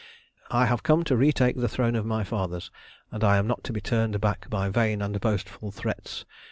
I have come to retake the throne of my fathers, and I am not to be turned back by vain and boastful threats.